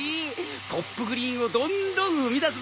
ポップグリーンをどんどん生みだすのだ。